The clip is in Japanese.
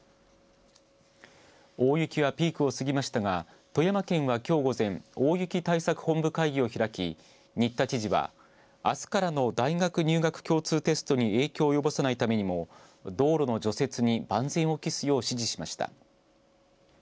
大雪はピークを過ぎましたが富山県は、きょう午前大雪対策本部会議を開き新田知事は、あすからの大学入学共通テストに影響を及ぼさないためにも道路の除雪に万全を期すよう指示しました。